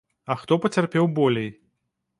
А хто пацярпеў болей?